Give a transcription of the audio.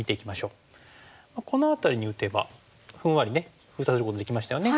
この辺りに打てばふんわり封鎖することできましたよね。